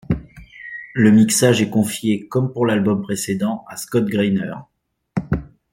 Le mixage est confié, comme pour l'album précédent, à Scott Greiner.